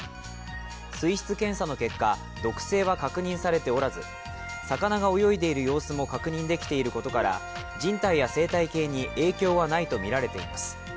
水質検査の結果、毒性は確認されておらず魚が泳いでいる様子も確認できていることから、人体や影響はないとみられています。